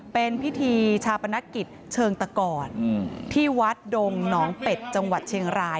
เป็นพิธีชาปนกิจเชิงตะกรที่วัดดงหนองเป็ดจังหวัดเชียงราย